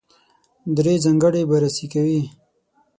درې ځانګړنې بررسي کوي.